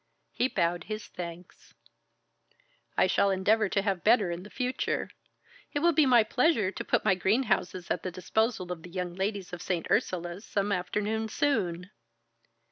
He bowed his thanks. "I shall endeavor to have better in the future. It will be my pleasure to put my greenhouses at the disposal of the young ladies of St. Ursula's some afternoon soon."